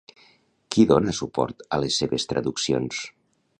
Qui dona suport a les seves traduccions?